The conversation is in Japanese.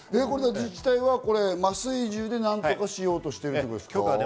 自治体は麻酔銃で何とかしようとしているということですか。